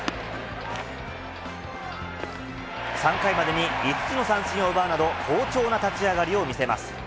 ３回までに５つの三振を奪うなど、好調な立ち上がりを見せます。